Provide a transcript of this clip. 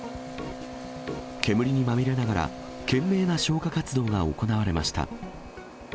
煙にまみれながら、懸命な消火活動が行われました。